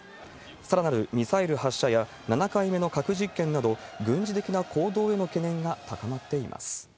さらなるミサイル発射や７回目の核実験など、軍事的な行動への懸念が高まっています。